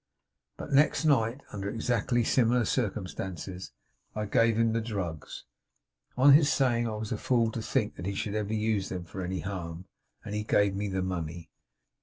But, next night, under exactly similar circumstances, I gave him the drugs, on his saying I was a fool to think that he should ever use them for any harm; and he gave me the money.